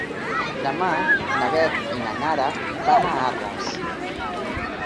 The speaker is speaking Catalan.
Demà na Beth i na Nara van a Arres.